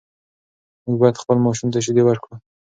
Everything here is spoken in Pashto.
مور باید خپل ماشوم ته شیدې ورکړي.